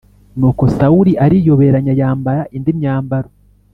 nuko sawuli ariyoberanya yambara indi myambaro